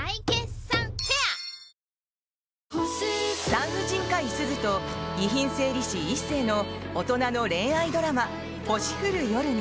産婦人科医・鈴と遺品整理士・一星の大人の恋愛ドラマ「星降る夜に」